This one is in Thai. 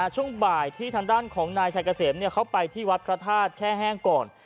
ช่วงบ่ายที่ทางด้านของนายชายเกษมเขาไปที่วัดพระธาตุแช่แห้งก่อน